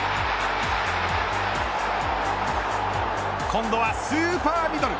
今度はスーパーミドル。